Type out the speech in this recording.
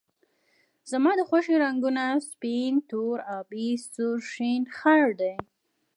زما د خوښې رنګونه سپین، تور، آبي ، سور، شین ، خړ دي